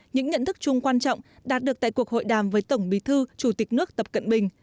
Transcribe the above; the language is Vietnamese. những nhận thức chung quan trọng đạt được tại cuộc hội đàm với tổng bí thư chủ tịch nước tập cận bình